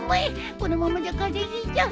このままじゃ風邪ひいちゃう。